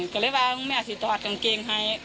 ก็เลยว่าแม่สิถอดกางเกงให้